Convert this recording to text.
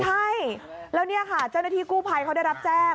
ใช่แล้วเนี่ยค่ะเจ้าหน้าที่กู้ภัยเขาได้รับแจ้ง